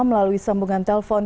melalui sambungan telpon